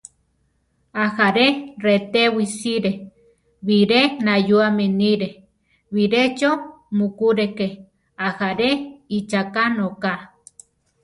Ajaré retewi sire; biré nayúame níre, birecho mukúreke, ajáre icháka nóka.